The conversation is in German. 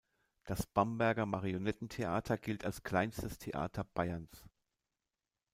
Das Bamberger Marionettentheater gilt als kleinstes Theater Bayerns.